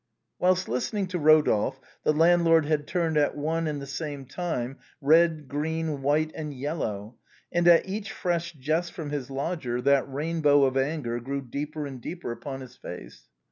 Whilst listening to Eodolphe the landlord had turned at one and the same time red, green, white, and yellow, and at each fresh jest from his lodger that rainbow of anger grew deeper and deeper upon his face.